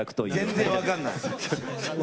全然分かんない。